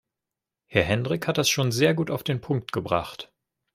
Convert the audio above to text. Herr Hendrick hat das schon sehr gut auf den Punkt gebracht.